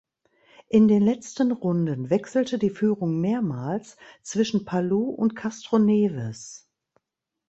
In den letzten Runden wechselte die Führung mehrmals zwischen Palou und Castroneves.